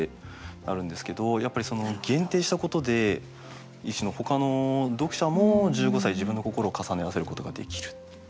やっぱりその限定したことで一種のほかの読者も１５歳自分の心を重ね合わせることができる。